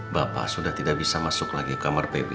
bapak sudah tidak bisa masuk lagi kamar pb